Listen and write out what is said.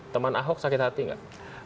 teman ahok sakit hati nggak